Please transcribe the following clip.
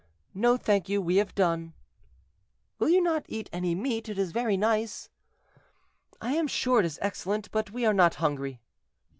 "No, thank you, we have done." "Will you not eat any meat? it is very nice." "I am sure it is excellent, but we are not hungry."